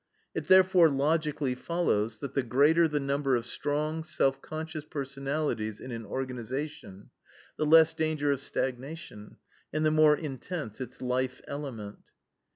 "It therefore logically follows that the greater the number of strong, self conscious personalities in an organization, the less danger of stagnation, and the more intense its life element.